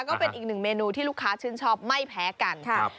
ก็เป็นอีกหนึ่งเมนูที่ลูกค้าชื่นชอบไม่แพ้กันครับ